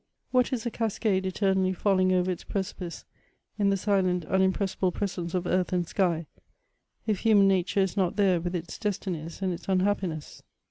What is a cascade eternally falling over its precipice in the silent unimpressihle presence of earth and sky, if human nature is not there with its destinies and its un happiness